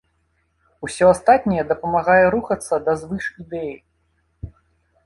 Усе астатняе дапамагае рухацца да звышідэі.